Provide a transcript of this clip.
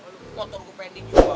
lalu motor gue pendek juga